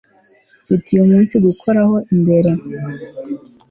Mfite uyu munsi gukoraho imbeho